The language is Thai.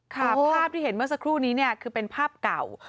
ภาพที่เห็นเมื่อสักครู่นี้เนี่ยคือเป็นภาพเก่า